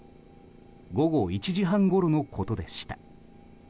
午後１時半ごろのことでした。